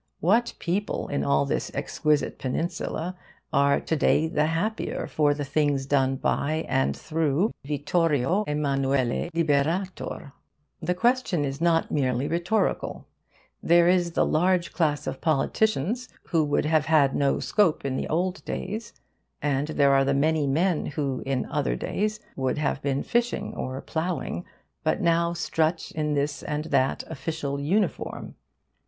What people in all this exquisite peninsula are to day the happier for the things done by and through Vittorio Emmanuele Liberator? The question is not merely rhetorical. There is the large class of politicians, who would have had no scope in the old days. And there are the many men who in other days would have been fishing or ploughing, but now strut in this and that official uniform.